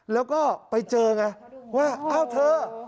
แล้วก็ไปเจอกันว่าเอ้าเธอ